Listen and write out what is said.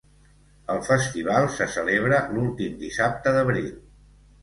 El festival se celebra l"últim dissabte d"abril.